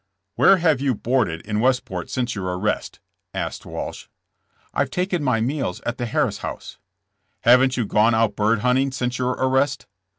*' Where have you boarded in Westport since your arrest?" asked Walsh. I've taken my meals at the Harris house." *' Haven't you gone out bird hunting since your arrest?"